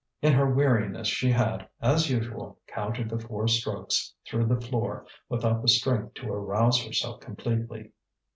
In her weariness she had, as usual, counted the four strokes through the floor without the strength to arouse herself completely.